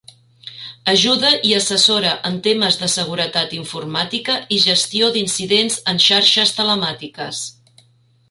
Ajuda i assessora en temes de seguretat informàtica i gestió d’incidents en xarxes telemàtiques.